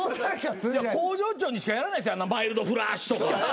向上長にしかやらないんすマイルドフラッシュとか。